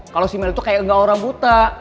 kalau si mel itu kayak gak orang buta